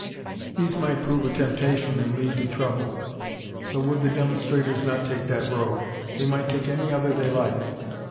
These might prove a temptation and lead to trouble. So would the demonstrators not take that road they might take any other they liked.